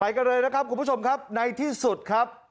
กันเลยนะครับคุณผู้ชมครับในที่สุดครับ